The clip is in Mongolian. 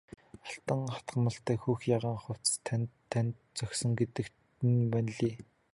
Алтан хатгамалтай хөх ягаан хувцас тань танд зохисон гэдэг нь ванлий!